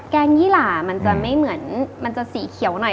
แกงยี่หล่ามันจะไม่เหมือนมันจะสีเขียวหน่อย